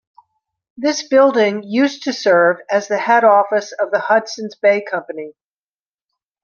This building used to serve as the head office of the Hudson's Bay Company.